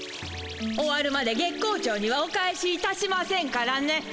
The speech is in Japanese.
終わるまで月光町にはお帰しいたしませんからね。